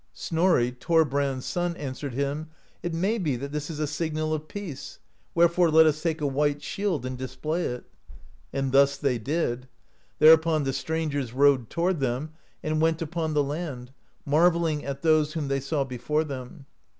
*' Snorri, Thorl>rand*s son, an swered him : "It may be that this is a signal of peace, wherefore let us take a white shield (53) and display it." And thus they did. Thereupon the strangers rowed to ward them, and went upon the land, marvelling at those w^hom they saw before them.